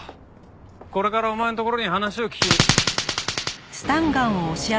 これからお前のところに話を聞き。